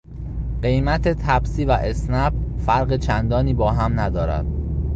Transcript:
قیمت تپسی و اسنپ فرق چندانی با هم ندارد.